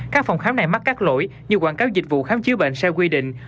các phòng khám này mắc các lỗi như quảng cáo dịch vụ khám chứa bệnh xe quy định